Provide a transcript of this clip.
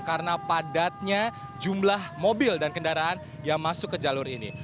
karena padatnya jumlah mobil dan kendaraan yang masuk ke jalur ini